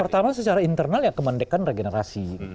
pertama secara internal ya kemandekan regenerasi